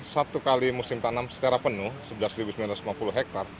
satu kali musim tanam secara penuh